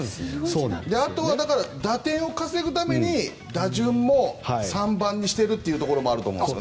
あとは打点を稼ぐために打順も３番にしているところもあると思います。